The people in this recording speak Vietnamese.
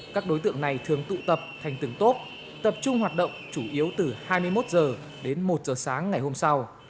các đối tượng này thường tụ tập thành từng tốp tập trung hoạt động chủ yếu từ hai mươi một h đến một h sáng ngày hôm sau